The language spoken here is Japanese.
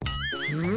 うん？